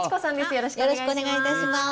よろしくお願いします。